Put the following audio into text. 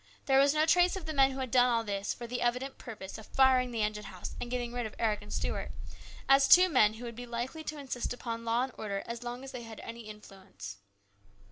There was no trace of the men who had done all this for the evident purpose of firing the engine house and getting rid of Eric and Stuart, as two men who would be likely to insist upon law and order as long as they had any influence.